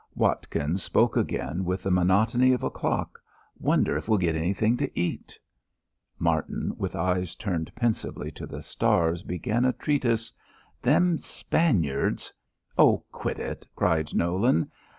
Watkins spoke again with the monotony of a clock, "Wonder if we'll git anythin' to eat." Martin, with eyes turned pensively to the stars, began a treatise. "Them Spaniards " "Oh, quit it," cried Nolan.